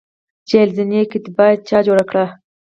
چهل زینې کتیبه چا جوړه کړه؟